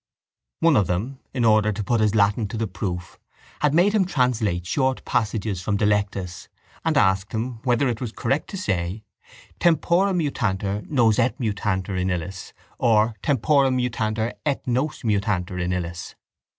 One of them, in order to put his Latin to the proof, had made him translate short passages from Dilectus and asked him whether it was correct to say: Tempora mutantur nos et mutamur in illis or _Tempora mutantur et nos mutamur in illis.